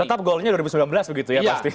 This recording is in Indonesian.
tetap golnya dua ribu sembilan belas begitu ya pasti